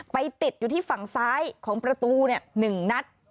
ไปติดอยู่ที่ฝั่งซ้ายของประตู๑นัด